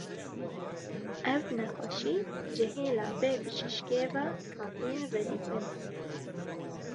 Ev nexweşî ji hêla vê bijîşkê ve hatiye vedîtin.